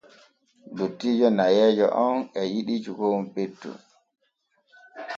Dottiijo nayeeje on e yiɗi cukon petton.